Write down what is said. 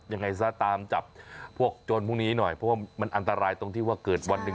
ยังไงซะตามจับพวกโจรพวกนี้หน่อยเพราะว่ามันอันตรายตรงที่ว่าเกิดวันหนึ่ง